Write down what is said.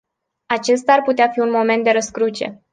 Acesta ar putea fi un moment de răscruce.